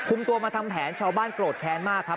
ตัวมาทำแผนชาวบ้านโกรธแค้นมากครับ